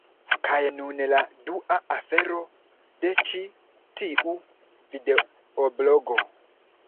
Kaj nun la dua afero, de ĉi tiu videoblogo